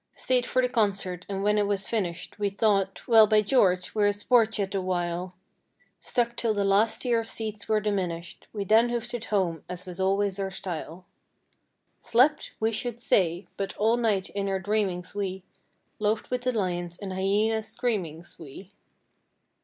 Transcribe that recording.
Stayed for the concert and when it was finished we Thought—"Well, by George, we're a sport yet a while." Stuck 'till the last tier of seats were diminished; we Then hoofed it home as was always our style. 86 Slept? We should say! But all night in our dream ings we Loafed with the lions and hyenas screamings, we.